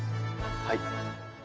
はい。